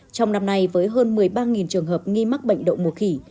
trong năm nay với hơn một mươi ba trường hợp nghi mắc bệnh đậu mùa khỉ